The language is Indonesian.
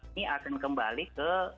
ini akan kembali ke